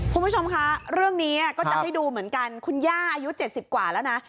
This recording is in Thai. คุณผู้ชมคะเรื่องนี้ก็จะให้ดูเหมือนกันคุณย่าอายุ๗๐กว่าแล้วนะ